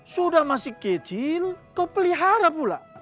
sudah masih gajin kau pelihara pula